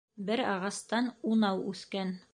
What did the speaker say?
Бер ағастан унау үҫкән